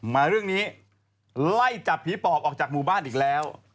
มาเรื่องนี้ไล่จับผีปอบออกจากหมู่บ้านอีกแล้ว